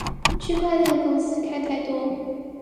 區塊鏈公司開太多